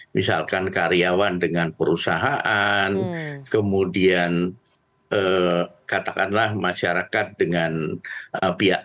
misalkan karyawan dengan perusahaan kemudian katakanlah masyarakat dengan pihak